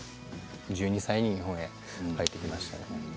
１２歳に日本に帰ってきました。